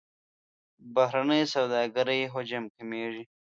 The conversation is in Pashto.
بهرنۍ سوداګرۍ حجم کمیږي.